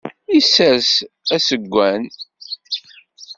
Isers aseggan.